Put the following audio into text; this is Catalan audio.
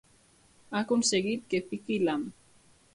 Ha aconseguit que piqui l'ham.